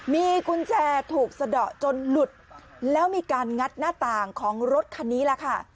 มีกุญแจถูกสะดอกจนหลุดแล้วมีการงัดหน้าต่างของรถคันนี้แหละค่ะ